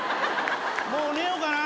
もう寝ようかな。